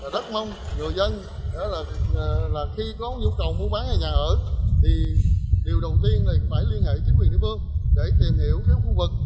rất mong người dân khi có nhu cầu mua bán hay nhà ở thì điều đầu tiên là phải liên hệ chính quyền địa phương để tìm hiểu các khu vực